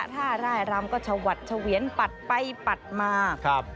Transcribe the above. ท่าร่ายรำก็ชะวัดชะเวียนปัดไปปัดมา